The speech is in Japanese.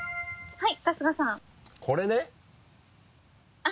はい。